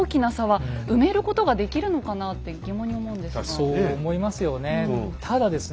そう思いますよね。